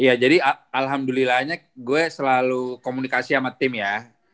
iya jadi alhamdulillahnya gue selalu komunikasi sama tim ya